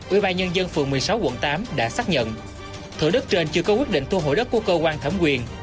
ubnd phường một mươi sáu quận tám đã xác nhận thủ đất trên chưa có quyết định thu hồi đất của cơ quan thẩm quyền